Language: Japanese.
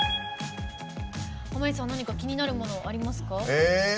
濱家さん、何か気になるものありますか？